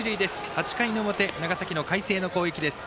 ８回の表長崎の海星の攻撃です。